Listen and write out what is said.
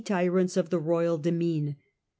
103 tyrants of the royal demesne.